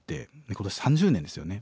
今年３０年ですよね。